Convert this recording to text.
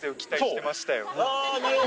あなるほど。